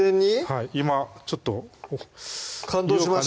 はい今ちょっと感動しました？